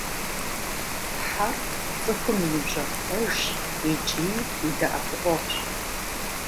Хьэр – цӏыхум и ныбжьэгъу пэжщ икӏи и дэӏэпыкъуэгъущ.